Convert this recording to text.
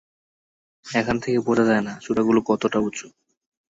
এখান থেকে বোঝা যায় না, চূড়াগুলো কতটা উঁচু।